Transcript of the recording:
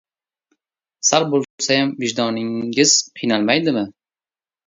Sal boʼlsayam vijdoningiz qiynalmaydimi?